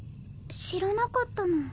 知らなかったの。